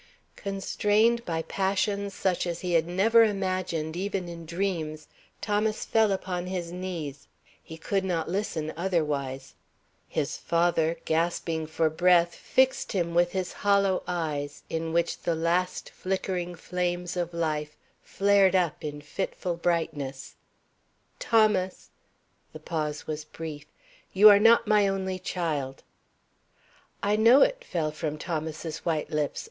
Constrained by passions such as he had never imagined even in dreams, Thomas fell upon his knees. He could not listen otherwise. His father, gasping for breath, fixed him with his hollow eyes, in which the last flickering flames of life flared up in fitful brightness. "Thomas" the pause was brief "you are not my only child." "I know it," fell from Thomas's white lips.